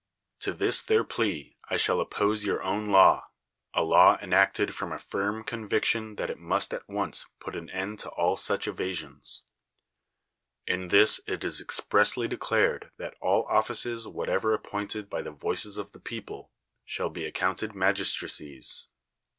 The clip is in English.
To this their plea I shall oppose your own law — a law enacted from a firm conviction that it must at once put an end to all such evasions. In this it is expressly declared that all offices whatever appointed by the voices of the people shall be accounted magistracies.